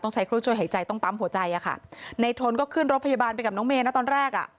ใช้เครื่องช่วยหายใจต้องปั๊มหัวใจอะค่ะในทนก็ขึ้นรถพยาบาลไปกับน้องเมย์นะตอนแรกอ่ะ